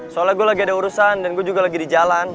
soalnya gue lagi ada urusan dan gue juga lagi di jalan